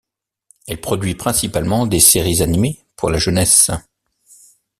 Elle produit principalement des séries animées pour la jeunesse.